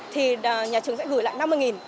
thì nhà trường sẽ gửi lại năm mươi